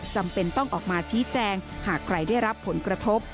จำเป็นต้องออกมาชี้แจงหากใครได้รับผลกระทบ